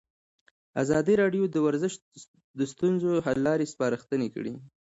ازادي راډیو د ورزش د ستونزو حل لارې سپارښتنې کړي.